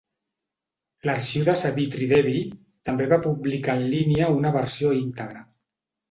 L'arxiu de Savitri Devi també va publicar en línia una versió íntegra.